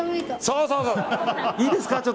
いいですか？